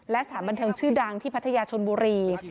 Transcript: และสถานบันเทิงชื่อดังที่พัทยาชนบุรี